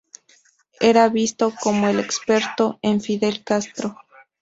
Era visto como el "experto" en Fidel Castro.